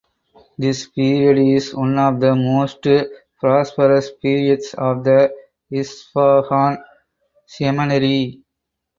This period is one of the most prosperous periods of the "Isfahan Seminary".